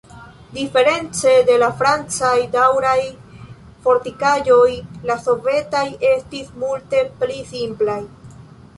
Diference de la francaj daŭraj fortikaĵoj la sovetaj estis multe pli simplaj.